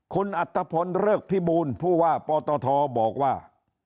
คุณอัตภพลเริกพิบูลผู้ว่าปตทบอกว่า